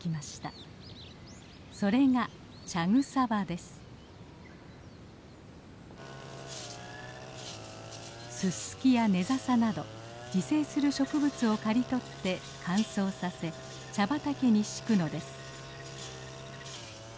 それがススキやネザサなど自生する植物を刈り取って乾燥させ茶畑に敷くのです。